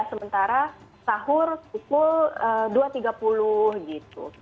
sementara sahur pukul dua tiga puluh gitu